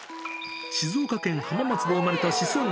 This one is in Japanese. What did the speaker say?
静岡県浜松で生まれたシソン